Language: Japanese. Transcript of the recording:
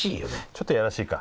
ちょっと嫌らしいか。